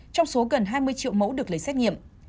trong số gần hai mươi triệu mẫu được lấy xét nghiệm